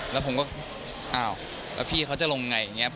แล้วผมก็อ้าวพี่เขาจะลงอย่างไรอย่างนี้